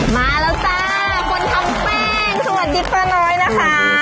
มาแล้วจ้าคนทำแป้งสวัสดีป้าน้อยนะคะ